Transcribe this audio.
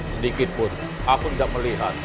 sedikitpun aku tidak melihat